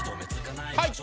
はい。